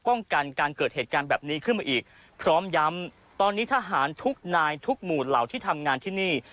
ป้องกันการเกิดเหตุการณ์แบบนี้ขึ้นมาอีกพร้อมย้ำตอนนี้ทหารทุกนายทุกหมู่เหล่าที่ทำงานที่นี่